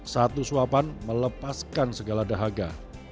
satu suapan melepaskan segala dahaga